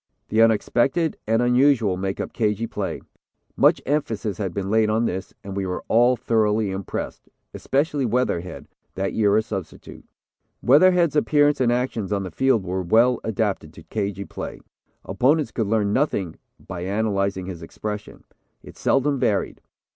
The unexpected and unusual make up 'cagey' play. Much emphasis had been laid on this, and we were all thoroughly impressed, especially Weatherhead, that year a substitute. "Weatherhead's appearance and actions on the field were well adapted to cagey play. Opponents could learn nothing by analyzing his expression. It seldom varied.